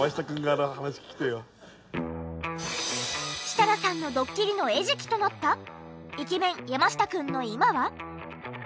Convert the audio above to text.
設楽さんのドッキリの餌食となったイケメン山下くんの今は？